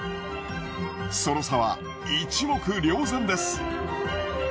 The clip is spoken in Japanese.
その差は一目瞭然です。